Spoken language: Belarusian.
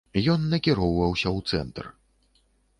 Ён накіроўваўся ў цэнтр.